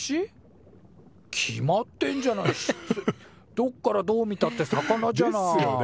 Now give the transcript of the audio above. どっからどう見たって魚じゃない。ですよね？